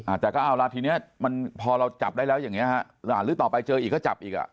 อาจจะก็เอาล่ะทีนี้พอเราจับได้แล้วอย่างนี้หรือต่อไปเจออีกก็จับอีกอ่ะ